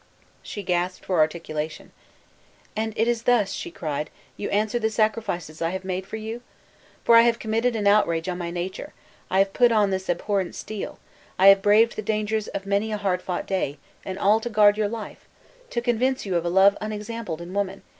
She gasped for articulation. "And it is thus," cried she, "you answer the sacrifices I have made for you? For you I have committed an outrage on my nature; I have put on me this abhorrent steel; I have braved the dangers of many a hard fought day, and all to guard your life! to convince you of a love unexampled in woman!